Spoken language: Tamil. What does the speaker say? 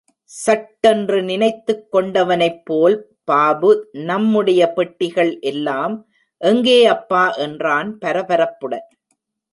சட்டென்று நினைத்துக் கொண்டவனைப் போல் பாபு, நம்முடைய பெட்டிகள் எல்லாம் எங்கே அப்பா, என்றான் பரபரப்புடன்.